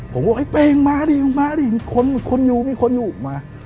ผมก็บอกไอ้เป๊งมาดิมีคนอยู่มา